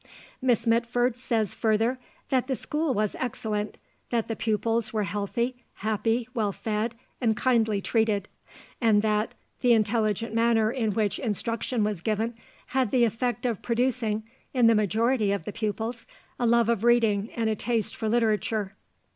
Miss Mitford says further that the school was "excellent," that the pupils were "healthy, happy, well fed, and kindly treated," and that "the intelligent manner in which instruction was given had the effect of producing in the majority of the pupils a love of reading and a taste for literature."